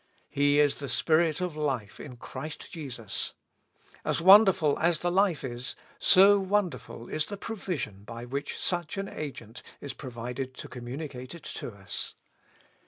He is the Spirit of life in Christ Jesus ; as wonderful as the life is, so wonderful is the provi sion by which such an agent is provided to commu nicate it to us.